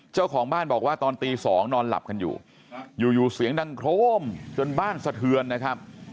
เจ้าของบ้านบอกว่าตอนตี๒นอนหลับกันอยู่อยู่เสียงดังโครมจนบ้านสะเทือนนะครับ